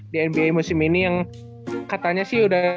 di nba musim ini yang katanya sih udah